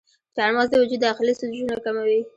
چارمغز د وجود داخلي سوزشونه کموي.